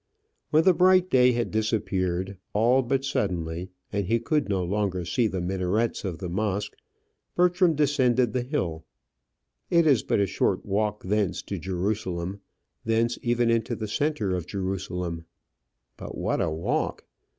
When the bright day had disappeared, all but suddenly, and he could no longer see the minarets of the mosque, Bertram descended the hill. It is but a short walk thence to Jerusalem thence even into the centre of Jerusalem. But what a walk!